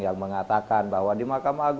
yang mengatakan bahwa di ma